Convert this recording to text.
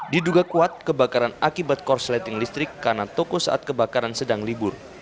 diduga kuat kebakaran akibat korsleting listrik karena toko saat kebakaran sedang libur